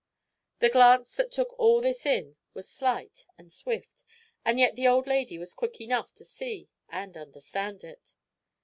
The glance that took all this in was slight and swift, and yet the old lady was quick enough to see and understand it.